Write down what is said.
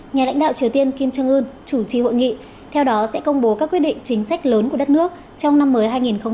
nhà lãnh đạo triều tiên kim trương ưn chủ trì hội nghị theo đó sẽ công bố các quyết định chính sách lớn của đất nước trong năm mới hai nghìn hai mươi